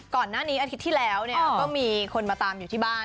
ก่อนงานนี้อาทิตย์ที่แล้วก็มีคนมาตามอยู่ที่บ้าน